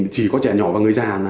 chỉ có trẻ nhỏ và người già